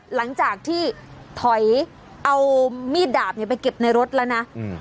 หลังจากที่ถอยเอามีดดาบเนี่ยไปเก็บในรถแล้วนะ